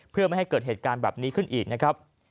เพื่อไม่ให้เกิดเหตุการณ์แบบนี้ขึ้นอีกนะครับ